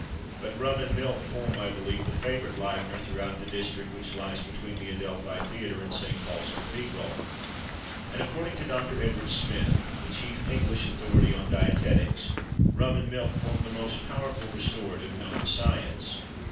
But rum and milk form, I believe, the favourite livener throughout the district which lies between the Adelphi Theatre and St. Paul's Cathedral. And, according to Doctor Edward Smith (the chief English authority on dietetics), rum and milk form the most powerful restorative known to science.